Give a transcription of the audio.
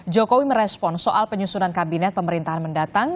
jokowi merespon soal penyusunan kabinet pemerintahan mendatang